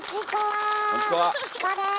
チコです！